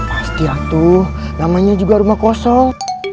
pasti jatuh namanya juga rumah kosong